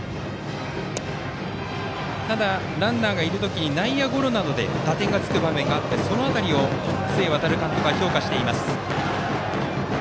ただランナーがいる時内野ゴロなどで打点がつく場面があってその辺りを須江航監督は評価しています。